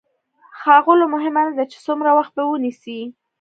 ښاغلو مهمه نه ده چې څومره وخت به ونيسي.